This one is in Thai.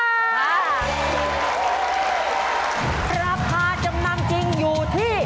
ราคาจำนำจริงอยู่ที่